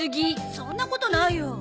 そんなことないよ。